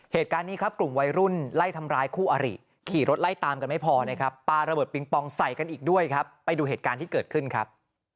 เหตุการณ์นี้ครับกลุ่มวัยรุ่นไล่ทำร้ายคู่อริขี่รถไล่ตามกันไม่พอนะครับปลาระเบิดปิงปองใส่กันอีกด้วยครับไปดูเหตุการณ์ที่เกิดขึ้นครับ